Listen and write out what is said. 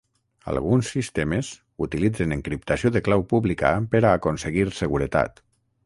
Alguns sistemes utilitzen encriptació de clau pública per a aconseguir seguretat.